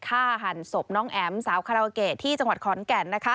ฆ่าหันศพน้องแอ๋มสาวคาราโอเกะที่จังหวัดขอนแก่น